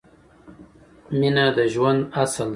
مینه د ژوند اصل ده